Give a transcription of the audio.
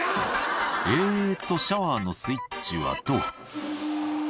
「えっとシャワーのスイッチはと」